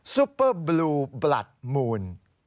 ซุปเปอร์บลูบลัดมูล